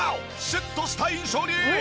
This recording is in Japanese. シュッとした印象に！